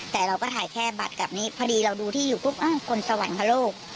แต่เราก็ถ่ายแค่บัตรแบบนี้พอดีเราดูที่อยู่ปุ๊บคนสวรรคโลก